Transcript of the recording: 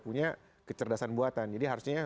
punya kecerdasan buatan jadi harusnya